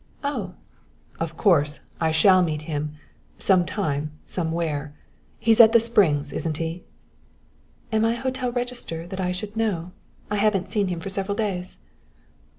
"Oh!" "Of course, I shall meet him some time, somewhere. He's at the Springs, isn't he?" "Am I a hotel register that I should know? I haven't seen him for several days."